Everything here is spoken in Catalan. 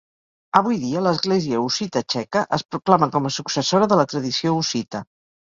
Avui dia, l'Església Hussita Txeca es proclama com a successora de la tradició hussita.